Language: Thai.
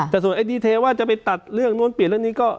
แต่ส่วนไอ้ดีเทว่าจะไปตัดเรื่องนู้นเปลี่ยนเรื่องนี้ก็